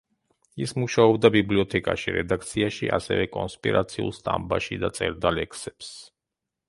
ის მუშაობდა ბიბლიოთეკაში, რედაქციაში, ასევე კონსპირაციულ სტამბაში და წერდა ლექსებს.